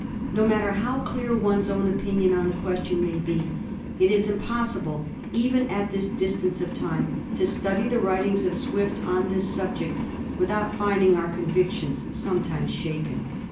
No matter how clear one's own opinions on the question may be, it is impossible, even at this distance of time, to study the writings of Swift on this subject without finding our convictions sometimes shaken.